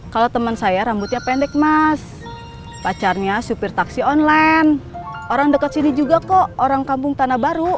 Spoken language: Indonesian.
kalau teman saya rambutnya pendek mas